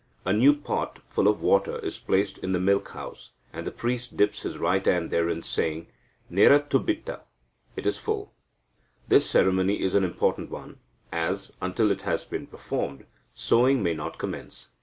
A new pot, full of water, is placed in the milk house, and the priest dips his right hand therein, saying "Nerathubitta" (it is full). This ceremony is an important one, as, until it has been performed, sowing may not commence.